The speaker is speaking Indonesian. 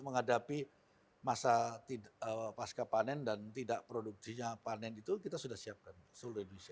menghadapi masa pasca panen dan tidak produksinya panen itu kita sudah siapkan seluruh indonesia